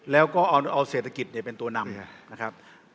แล้วก็เอาเศรษฐกิจเป็นตัวนำนะครับ